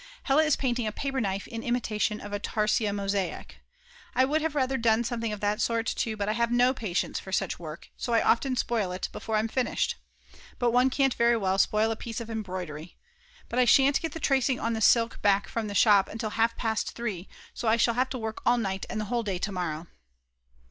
Hella is painting a paperknife in imitation of tarsia mosaic. I would rather have done something of that sort too, but I have no patience for such work, so I often spoil it before I've finished. But one can't very well spoil a piece of embroidery. But I shan't get the tracing on the silk back from the shop until half past 3, so I shall have to work all night and the whole day to morrow.